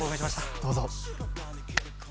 どうぞ。